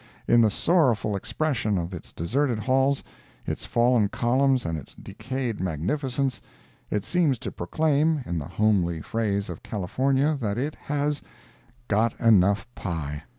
In the sorrowful expression of its deserted halls, its fallen columns and its decayed magnificence, it seems to proclaim, in the homely phrase of California, that it has "got enough pie."